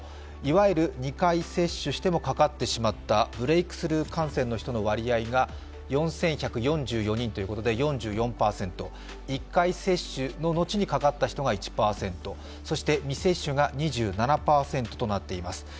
いわゆる２回接種してもかかってしまったブレークスルー感染の人の割合が４１４４人ということで４４％、１回接種の後にかかった人が１％そして未接種が２７％となっています。